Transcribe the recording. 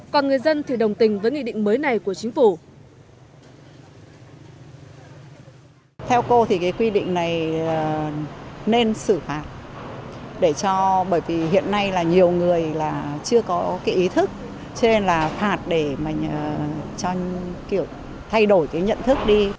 còn người dân thì đồng tình với nghị định mới này của chính phủ